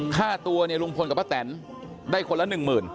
ค่าตัวเนี่ยลุงพลกับป้าแตนได้คนละหนึ่งหมื่น